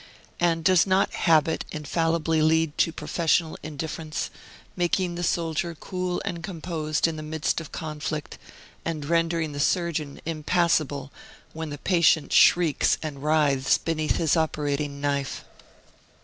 And does not habit infallibly lead to professional indifference, making the soldier cool and composed in the midst of conflict, and rendering the surgeon impassible when the patient shrieks and writhes beneath his operating knife.